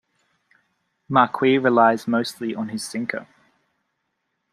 Marquis relies mostly on his sinker.